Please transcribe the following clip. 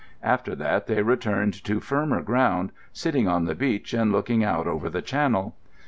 After that they returned to firmer ground, sitting on the beach and looking out over the Channel.